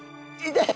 痛い！